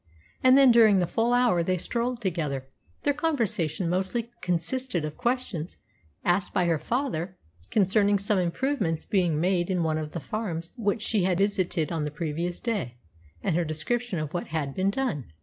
And then, during the full hour they strolled together, their conversation mostly consisted of questions asked by her father concerning some improvements being made in one of the farms which she had visited on the previous day, and her description of what had been done.